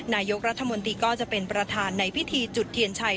นายกรัฐมนตรีก็จะเป็นประธานในพิธีจุดเทียนชัย